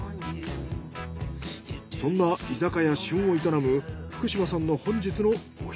そんな居酒屋旬を営む福島さんの大根の皮？